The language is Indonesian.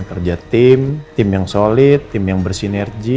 kerja tim tim yang solid tim yang bersinergi